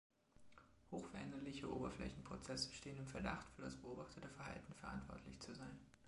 Hoch veränderliche Oberflächenprozesse stehen im Verdacht, für das beobachtete Verhalten verantwortlich zu sein.